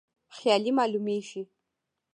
خیالي معلومیږي.